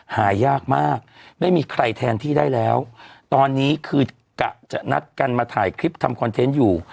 หายากมากไม่มีใครแทนที่ได้แล้วตอนนี้คือกะจะนัดกันมาถ่ายคลิปทำคอนเทนต์อยู่